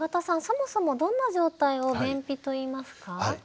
そもそもどんな状態を便秘といいますか？